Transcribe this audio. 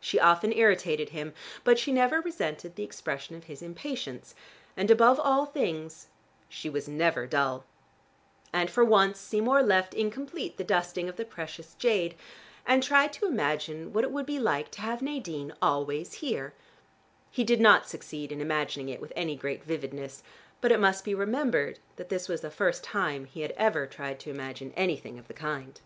She often irritated him, but she never resented the expression of his impatience, and above all things she was never dull. And for once Seymour left incomplete the dusting of the precious jade, and tried to imagine what it would be like to have Nadine always here. He did not succeed in imagining it with any great vividness, but it must be remembered that this was the first time he had ever tried to imagine anything of the kind.